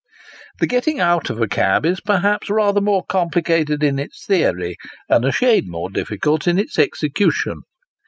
The getting out of a cab, is, perhaps, rather more complicated in its theory, and a shade more difficult in its execution.